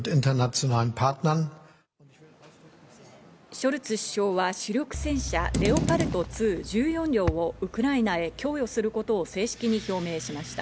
ショルツ首相は主力戦車レオパルト２、１４両をウクライナへ供与することを正式に表明しました。